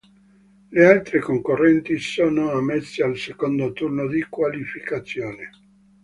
Le altre concorrenti sono ammesse al secondo turno di qualificazione.